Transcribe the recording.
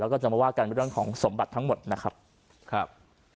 แล้วก็จะมาว่ากันเรื่องของสมบัติทั้งหมดนะครับ